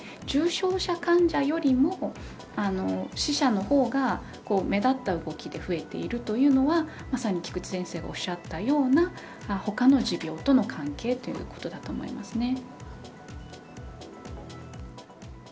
重症者患者よりも死者の方が目立った動きで増えているというのはまさに菊池先生がおっしゃったような他の持病との関係ということだと思います。